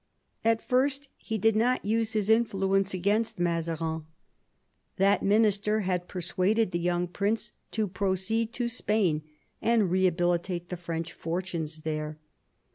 At first he did not use his influence against Mazarin. That Ill THE PEACE OF WESTPHALIA 45 minister had persuaded the young prince to proceed to Spain and rehabilitate the French fortunes there.